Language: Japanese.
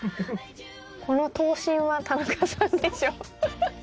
この頭身は田中さんでしょフフフ。